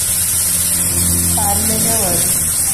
Parne nyawadu